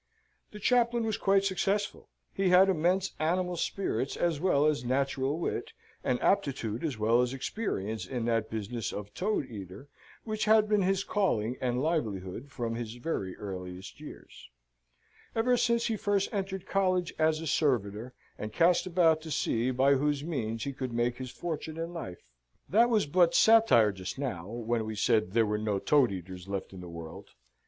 The chaplain was quite successful: he had immense animal spirits as well as natural wit, and aptitude as well as experience in that business of toad eater which had been his calling and livelihood from his very earliest years, ever since he first entered college as a servitor, and cast about to see by whose means he could make his fortune in life. That was but satire just now, when we said there were no toad eaters left in the world.